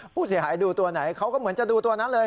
ผู้เสียหายดูตัวไหนเขาก็เหมือนจะดูตัวนั้นเลย